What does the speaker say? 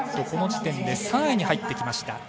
この時点で３位に入ってきました。